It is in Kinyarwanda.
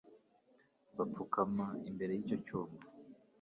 bapfukama imbere y’icyo cyuma